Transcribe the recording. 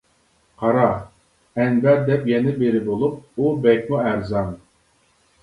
قارا ئەنبەر دەپ يەنە بىرى بولۇپ، ئۇ بەكمۇ ئەرزان.